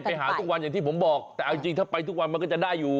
ไปหาทุกวันอย่างที่ผมบอกแต่เอาจริงถ้าไปทุกวันมันก็จะได้อยู่